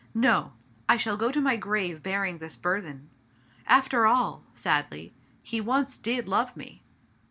No ! I shall go to my grave bearing this burthen. After all" — sadly —" he once did love me